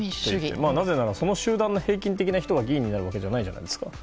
なぜならその集団の平均的な人が議員になるわけじゃないじゃないですか。